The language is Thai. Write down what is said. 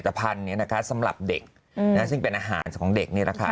พันธุ์นี้นะคะสำหรับเด็กซึ่งเป็นอาหารของเด็กนี่แหละค่ะ